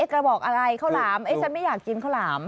กระบอกอะไรข้าวหลามฉันไม่อยากกินข้าวหลาม